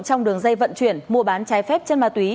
trong đường dây vận chuyển mua bán trái phép chân ma túy